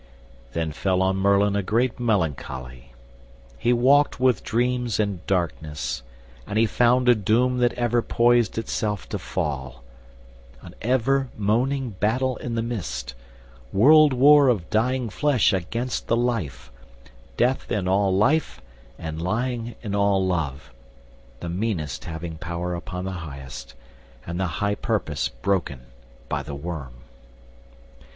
Then fell on Merlin a great melancholy; He walked with dreams and darkness, and he found A doom that ever poised itself to fall, An ever moaning battle in the mist, World war of dying flesh against the life, Death in all life and lying in all love, The meanest having power upon the highest, And the high purpose broken by the worm.